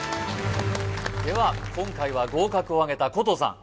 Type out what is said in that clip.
では今回は合格をあげた古藤さん